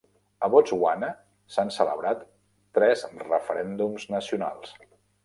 A Botswana s'han celebrat tres referèndums nacionals.